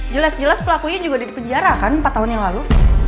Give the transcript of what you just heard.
jelas jelas pelakunya juga ada di penjara kan empat tahun yang lalu